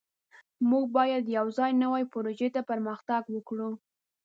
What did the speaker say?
موږ باید یوځای نوې پروژې ته پرمختګ وکړو.